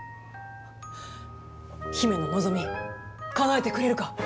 姫の望みかなえてくれるか？